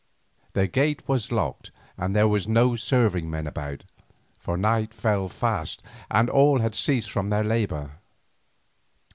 The gate was locked, and there were no serving men about, for night fell fast, and all had ceased from their labour.